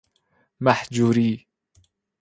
مهجوری